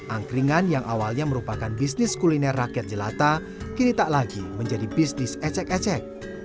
angkringan yang awalnya merupakan bisnis kuliner rakyat jelata kini tak lagi menjadi bisnis ecek ecek